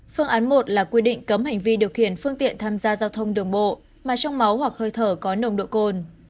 phương án một là quy định cấm hành vi điều khiển phương tiện tham gia giao thông đường bộ mà trong máu hoặc hơi thở có nồng độ cồn